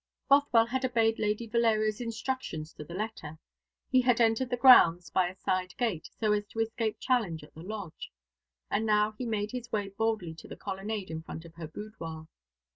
Bothwell had obeyed Lady Valeria's instructions to the letter. He had entered the grounds by a side gate, so as to escape challenge at the lodge: and now he made his way boldly to the colonnade in front of her boudoir.